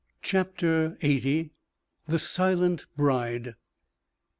CHAPTER LXXXI. THE SILENT BRIDE.